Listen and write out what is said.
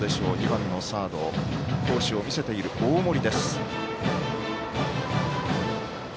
２番のサード好守を見せている大森。